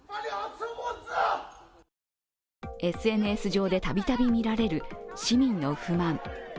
ＳＮＳ上でたびたび見られる市民の不満。